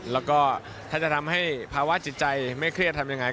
แล้วก็ถ้าจะทำให้ภาวะจิตใจไม่เครียดทำยังไง